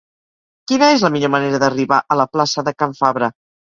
Quina és la millor manera d'arribar a la plaça de Can Fabra?